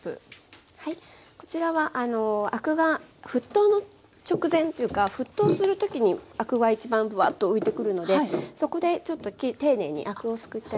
こちらはアクが沸騰の直前というか沸騰するときにアクが一番ぶわっと浮いてくるのでそこでちょっと丁寧にアクをすくってあげて下さい。